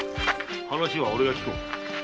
話は俺が聞こう。